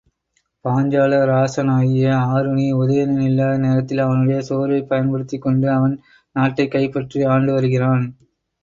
பாஞ்சால ராசனாகிய ஆருணி, உதயணன் இல்லாத நேரத்தில் அவனுடைய சோர்வைப் பயன்படுத்திக்கொண்டு அவன் நாட்டைக் கைப்பற்றி ஆண்டு வருகிறான்.